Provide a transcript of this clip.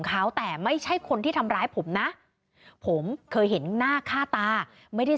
เขาแต่ไม่ใช่คนที่ทำร้ายผมนะผมเคยเห็นหน้าค่าตาไม่ได้